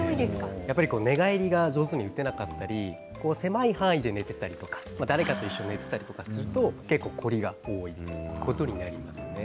やっぱり寝返りが上手に打てなかったり狭い範囲で寝ていたりとか誰かと一緒に寝ていたりすると結構、凝りが多いということになりますね。